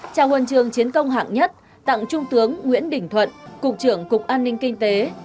trao hồn trường chiến công hạng nhất tặng trung tướng nguyễn đình thuận cục trưởng cục an ninh kinh tế